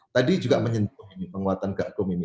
tadi juga menyentuh ini penguatan gakum ini